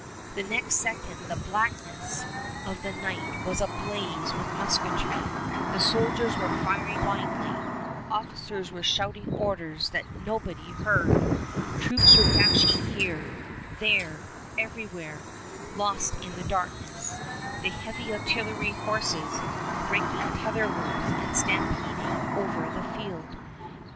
The next second the blackness of the night was ablaze with musketry; the soldiers were firing blindly; officers were shouting orders that nobody heard; troops were dashing here, there, everywhere, lost in the darkness, the heavy artillery horses breaking tether ropes and stampeding over the field.